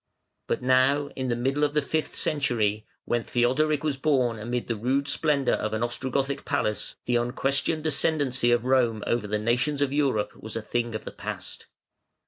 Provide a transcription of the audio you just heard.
But now, in the middle of the fifth century, when Theodoric was born amid the rude splendour of an Ostrogothic palace, the unquestioned ascendancy of Rome over the nations of Europe was a thing of the past.